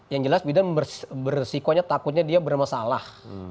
yang jelas bidan bersikonya takutnya dia bermasalah